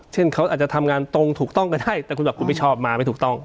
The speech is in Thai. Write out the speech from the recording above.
เช่นเขาอาจจะทำงานตรงถูกต้องก็ได้แต่คุณบอกคุณไม่ชอบมาไม่ถูกต้อง